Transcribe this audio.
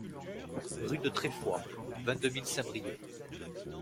Rue de Trefois, vingt-deux mille Saint-Brieuc